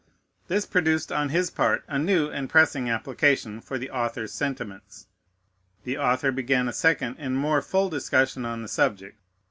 This produced on his part a new and pressing application for the author's sentiments. The author began a second and more full discussion on the subject.